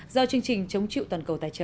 do chương trình chống chịu toàn cầu tài trợ